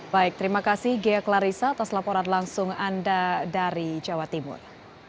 baik terima kasih ghea klarissa atas laporan langsung anda dari jawa timur